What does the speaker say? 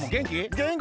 げんきよ。